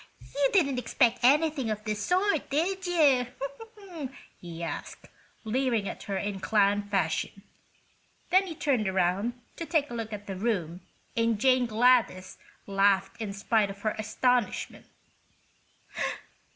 "You didn't expect anything of this sort, did you?" he asked, leering at her in clown fashion. Then he turned around to take a look at the room and Jane Gladys laughed in spite of her astonishment.